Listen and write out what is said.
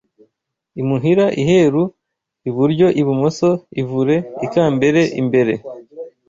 imuhira iheru iburyoibumoso ivure ikambere imbere